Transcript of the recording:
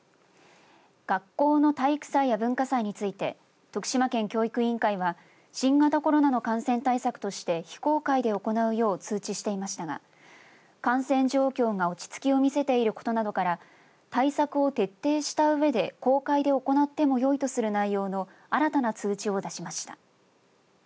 学校の体育祭や文化祭について徳島県教育委員会は新型コロナの感染対策として非公開で行うよう通知していましたが感染状況が落ち着きを見せていることなどから対策を徹底したうえで公開で行ってもよいとする内容の新たな通知を出しました。